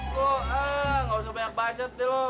gue eh nggak usah banyak budget deh lo